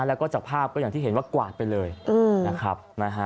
แล้วก็จากภาพก็อย่างที่เห็นว่ากวาดไปเลยนะครับ